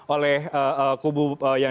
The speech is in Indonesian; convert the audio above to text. oleh kubu yang